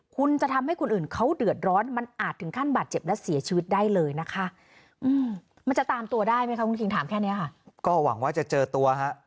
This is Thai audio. คุณจะทำให้คนอื่นเขาเดือดร้อนมันอาจถึงขั้นบาดเจ็บและเสียชีวิตได้เลยนะคะ